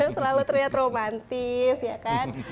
selalu terlihat romantis ya kan